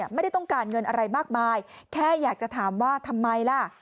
ไม่ได้ต้องการเงินอะไรมากมายแค่อยากจะถามว่าทำไมล่ะ